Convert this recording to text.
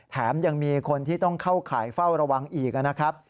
แถมยังมีคนที่ต้องเข้าข่ายเฝ้าระวังอีกนะครับ